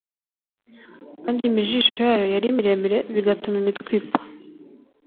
Kandi imijisho yayo yari miremire bigatuma imitwe ipfa